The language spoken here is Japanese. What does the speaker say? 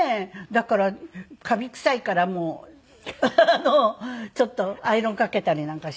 だからカビ臭いからもうちょっとアイロンかけたりなんかして。